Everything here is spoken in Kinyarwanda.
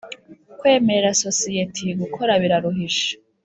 Kwemerera sosiyeti gukora biraruhije.